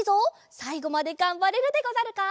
さいごまでがんばれるでござるか？